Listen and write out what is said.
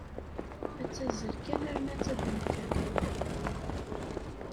Ad tazzel kan arma d tabanka.